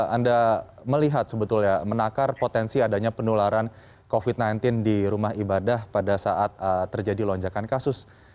anda melihat sebetulnya menakar potensi adanya penularan covid sembilan belas di rumah ibadah pada saat terjadi lonjakan kasus